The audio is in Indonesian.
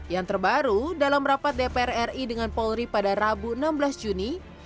yang terbaru dalam rapat dpr ri dengan polri pada rabu enam belas juni